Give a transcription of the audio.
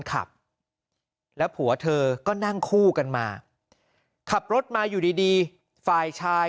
ขับแล้วผัวเธอก็นั่งคู่กันมาขับรถมาอยู่ดีดีฝ่ายชาย